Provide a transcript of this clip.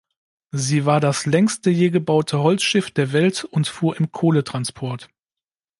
Sie war das längste je gebaute Holzschiff der Welt und fuhr im Kohle-Transport.